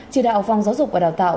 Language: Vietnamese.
chỉ đạo phòng giáo dục và đào tạo